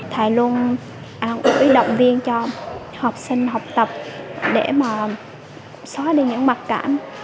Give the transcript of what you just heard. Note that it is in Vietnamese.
thầy luôn ủi động viên cho học sinh học tập để mà xóa đi những mặt cản